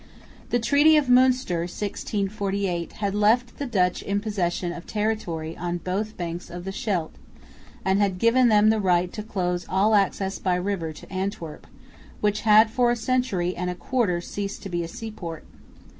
The Treaty of Münster (1648) had left the Dutch in possession of territory on both banks of the Scheldt, and had given them the right to close all access by river to Antwerp, which had for a century and a quarter ceased to be a sea port.